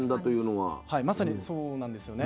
はいまさにそうなんですよね。